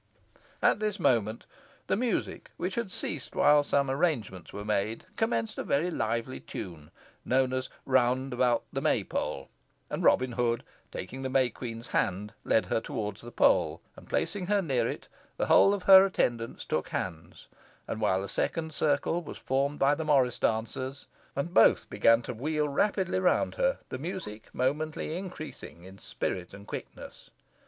At this moment, the music, which had ceased while some arrangements were made, commenced a very lively tune, known as "Round about the May pole," and Robin Hood, taking the May Queen's hand, led her towards the pole, and placing her near it, the whole of her attendants took hands, while a second circle was formed by the morris dancers, and both began to wheel rapidly round her, the music momently increasing in spirit and quickness.